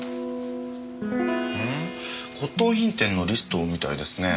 骨董品店のリストみたいですね。